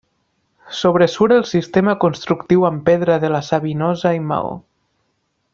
Sobresurt el sistema constructiu amb pedra de la Savinosa i maó.